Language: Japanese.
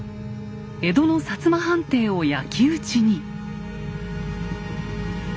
江戸の摩藩邸を焼き打ちに。